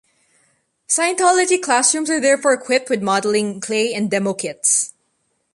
Scientology classrooms are therefore equipped with modelling clay and demo kits.